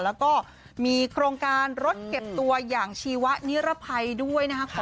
แล้วก็มีโครงการรถเก็บตัวอย่างชีวะนิรภัยด้วยนะคะ